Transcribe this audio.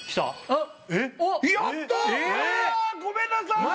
ああごめんなさい！